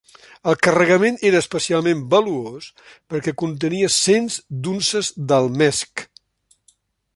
El carregament era especialment valuós perquè contenia cents d'unces d'almesc